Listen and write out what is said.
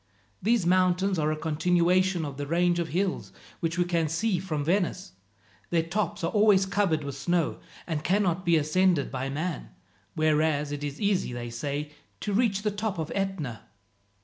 These mountains are a continuation of the range of hills which we can see from Venice. Their tops are always covered with snow, and cannot be ascended by man; whereas it is easy, they say, to reach the top of Etna."